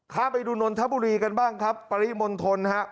ข้ามไปดูนนทบุรีกันบ้างครับปริมณฑลฮะ